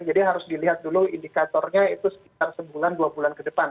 jadi harus dilihat dulu indikatornya itu sekitar sebulan dua bulan ke depan